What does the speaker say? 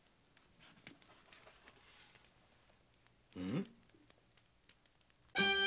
ん？